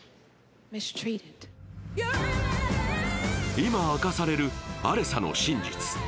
今、明かされるアレサの真実。